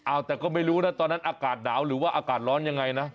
เอาแต่ก็ไม่รู้นะตอนนั้นอากาศหนาวหรือว่าอากาศร้อนยังไงนะ